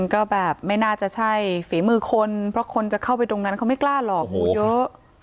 ก็แบบไม่น่าจะใช่ฝีมือคนเพราะคนจะเข้าไปตรงนั้นเขาไม่กล้าหลอกงูเยอะ